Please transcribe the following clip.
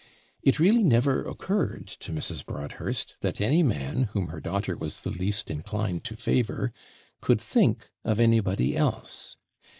It really never occurred to Mrs. Broadhurst that any man, whom her daughter was the least inclined to favour, could think of anybody else.